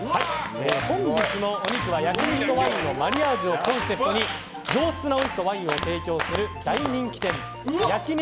本日のお肉は焼き肉とワインのマリアージュをコンセプトに上質なお肉とワインを提供する大人気店焼肉